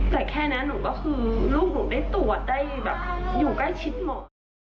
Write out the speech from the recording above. แต่แค่นั้นหนูก็คือลูกหนูได้ตรวจได้แบบอยู่ใกล้ชิดหมอ